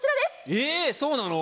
えそうなの？